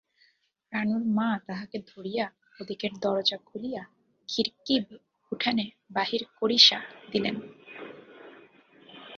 রানুর মা তাহাকে ধরিয়া ওদিকের দরজা খুলিয়া খিড়কিব উঠানে বাহির করিষা দিলেন।